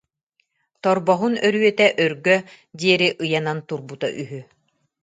Торбоһун өрүөтэ өргө диэри ыйанан турбута үһү